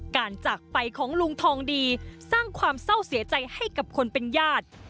จากไปของลุงทองดีสร้างความเศร้าเสียใจให้กับคนเป็นญาติ